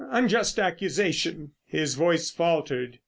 Unjust accusation...." His voice faltered.